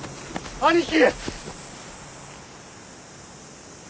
兄貴！